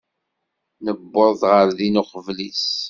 Nuweḍ ɣer din uqbel-is.